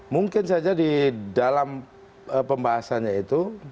mungkin saja di dalam pembahasannya itu